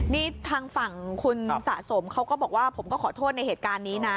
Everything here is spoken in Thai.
นี่ทางฝั่งคุณสะสมเขาก็บอกว่าผมก็ขอโทษในเหตุการณ์นี้นะ